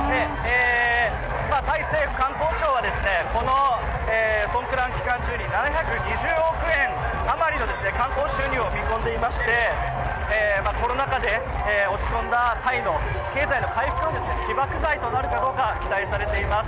タイ政府観光庁はこの期間中に７２０億円余りの観光収入を見込んでいまして、コロナ禍で落ち込んだタイの経済の回復の起爆剤となるかどうか期待されています。